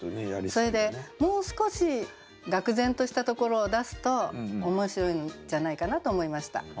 それでもう少しがく然としたところを出すと面白いんじゃないかなと思いました。